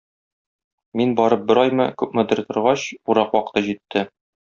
Мин барып бер аймы, күпмедер торгач, урак вакыты җитте.